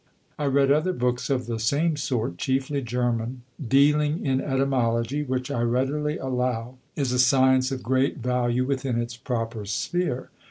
I read other books of the same sort, chiefly German, dealing in etymology, which I readily allow is a science of great value within its proper sphere.